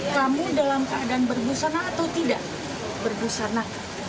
kamu dalam keadaan bergusana atau tidak bergusana